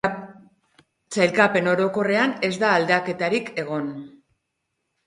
Sailkapen orokorrean ez da aldaketarik egon.